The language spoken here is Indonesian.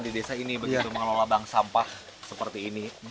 di desa ini begitu mengelola bank sampah seperti ini